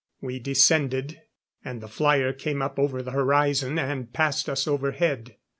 We descended, and the flyer came up over the horizon and passed us overhead.